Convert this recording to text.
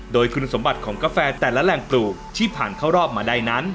โดยคุณสมบัติของกาแฟแต่ละแหล่งปลูกที่ผ่านเข้ารอบมาได้นั้น